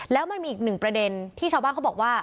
แล้วมันมีอีกหนึ่งประเด็นที่ชาวบ้านเขาบอกว่า